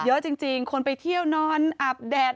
เยอะจริงคนไปเที่ยวนอนอาบแดด